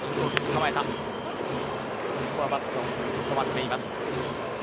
ここはバットは止まっています。